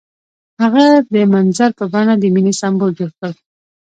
هغه د منظر په بڼه د مینې سمبول جوړ کړ.